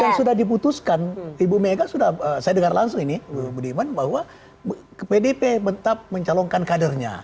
dan sudah diputuskan ibu mega sudah saya dengar langsung ini ibu budiman bahwa pdip tetap mencalongkan kadernya